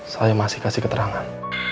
saya masih kasih keterangan